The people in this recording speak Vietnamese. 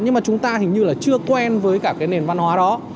nhưng mà chúng ta hình như là chưa quen với cả cái nền văn hóa đó